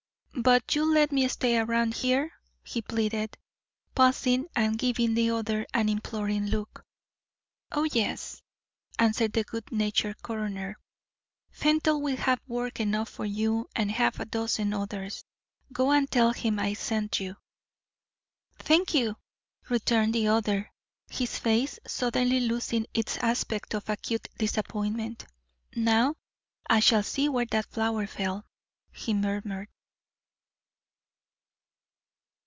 "But you'll let me stay around here?" he pleaded, pausing and giving the other an imploring look. "O yes," answered the good natured coroner. "Fenton will have work enough for you and half a dozen others. Go and tell him I sent you." "Thank you," returned the other, his face suddenly losing its aspect of acute disappointment. "Now I shall see where that flower fell," he murmured.